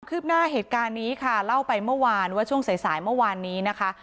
ืบหน้าเหตุการณ์นี้ค่ะเล่าไปเมื่อวานว่าช่วงสายสายเมื่อวานนี้นะคะ